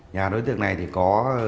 nhà đối tượng này thì có